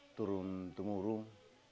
itu dianggap sebagai basing